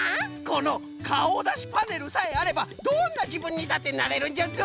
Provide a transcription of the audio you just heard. このかおだしパネルさえあればどんなじぶんにだってなれるんじゃぞ。